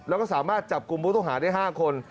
แล้วก็สามารถจับกุมพุทธหาได้๕คน